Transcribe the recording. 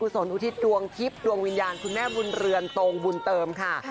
กุศลอุทิตย์ดวงภิกัะดวงวิญญาณคุณแม่บุญเรื่องโตงบุญเติมค่ะ